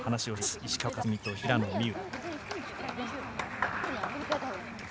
石川佳純と平野美宇。